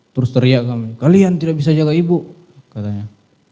terus teriak kami kalian tidak bisa jaga ibu katanya